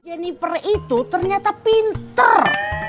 jennifer itu ternyata pinter